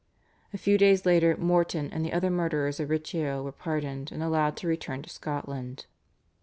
A few days later Morton and the other murderers of Riccio were pardoned, and allowed to return to Scotland.